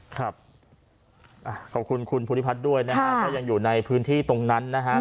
ขอบคุณคุณพุทธิพัฒน์ด้วยนะครับถ้ายังอยู่ในพื้นที่ตรงนั้นนะครับ